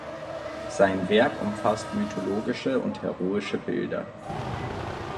Sein Werk umfasst mythologische und heroische Bilder.